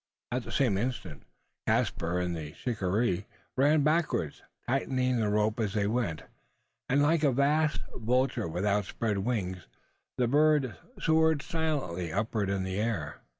At the same instant, Caspar and the shikaree ran backward tightening the rope as they went; and like a vast vulture with outspread wings, the bird soared silently upward into the air.